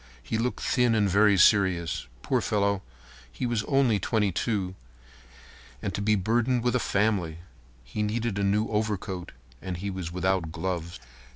He looked thin and very serious. Poor fellow, he was only twenty two—and to be burdened with a family! He needed a new overcoat and he was without gloves.